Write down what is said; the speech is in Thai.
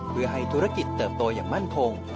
เพื่อให้ธุรกิจเติบโตอย่างมั่นคง